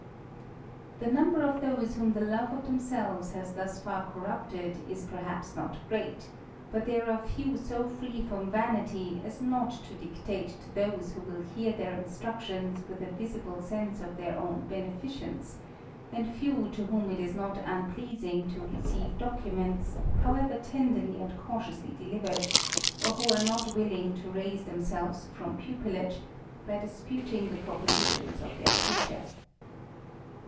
The number of those whom the love of themselves has thus far corrupted, is perhaps not great ; but there are feir. THE RAMBLER. eo free from vanity, as ii^Q tJs dict3^.te_t9 . ihose. whojviU Jie^ their instructions with a visible sense of their oT?n. 1 cenccj and few to whom it is not unpleasing to receivej documents, however tenderly and cautiously delivered, orl who are not willing to raise themselves from pupilage, by J disputing tRe propositions of their teacher.